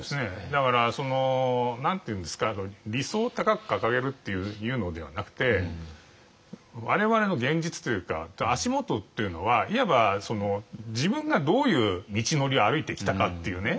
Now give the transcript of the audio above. だから何て言うんですか理想を高く掲げるっていうのではなくて我々の現実というか足元というのはいわば自分がどういう道のりを歩いてきたかっていうね